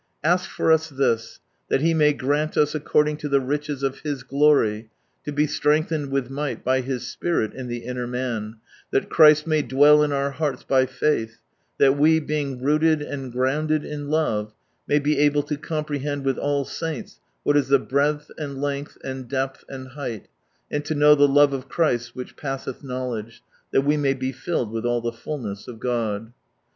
Ask for us this ;—" That He may grant us according to the riches of His glory, to be strengthened with might by His Spirit in the inner man ; that Christ may dwell in our hearts by faith, that we, being rooted and grounded in love, may be able to comprehend with all saints what is the breadth, and length, and depth, and height ; and to know the love of Christ which passeth knowledge, that we may be filled with all the fulness of God," *' f.